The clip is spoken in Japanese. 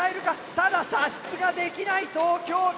ただ射出ができない東京Ｂ。